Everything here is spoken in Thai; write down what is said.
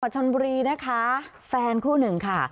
ชนบุรีนะคะแฟนคู่หนึ่งค่ะ